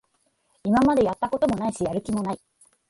今までやったことないし、やる気もない